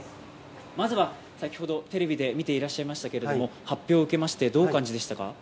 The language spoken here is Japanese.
まずは先ほどテレビで見ていらっしゃいましたけれども、発表を受けまして、どうお感じでしたか？